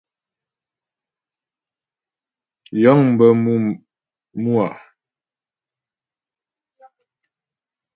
Yəŋ bə mû a.